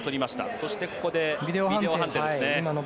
そして、ここでビデオ判定ですね。